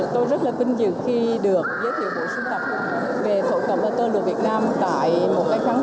tôi rất là vinh dự khi được giới thiệu bộ sưu tập về thổ cầm và tơ lụa việt nam tại một cái kháng